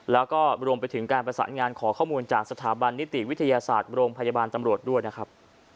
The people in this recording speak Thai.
แล้วก็รวมไปถึงการประสานงานขอข้อมูลจากสถาบันนิติวิทยาศาสตร์โรงพยาบาลตำรวจด้วยนะครับ